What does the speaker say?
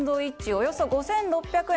およそ５６００円。